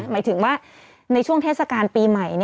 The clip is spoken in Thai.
หมายถึงว่าในช่วงเทศกาลปีใหม่